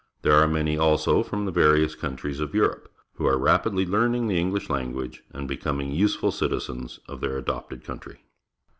There are many, also, from the various countries of Europe, who are rapidh^ learning the Enghsh language and becoming useful citizens of their adopted country.